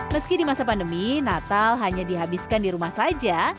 meski di masa pandemi natal hanya dihabiskan di rumah saja